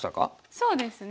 そうですね。